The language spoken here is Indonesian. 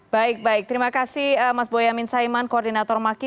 baik baik terima kasih mas boyamin saiman koordinator maki